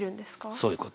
そういうこと。